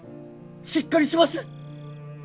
しっかりします！